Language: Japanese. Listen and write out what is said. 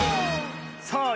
さあ